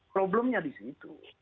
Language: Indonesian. problemnya di situ